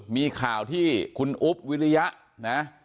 มีข่าวที่คุณอุ๊บวิริยะนะ